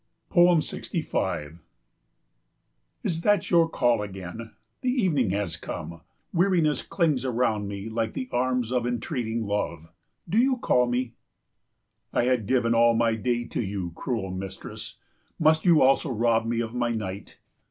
65 Is that your call again? The evening has come. Weariness clings around me like the arms of entreating love. Do you call me? I had given all my day to you, cruel mistress, must you also rob me of my night?